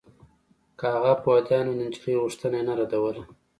که هغه پوهېدای نو د نجلۍ غوښتنه يې نه ردوله.